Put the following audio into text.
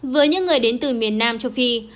với những người đến từ miền nam châu phi